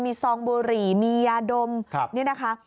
มีซองบุหรี่มียาดมนี่นะคะ